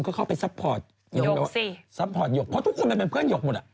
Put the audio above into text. ก็เข้าไปซัพพอร์ตอย่างแบบว่าซัพพอร์ตหกเพราะทุกคนมันเป็นเพื่อนหยกหมดอ่ะ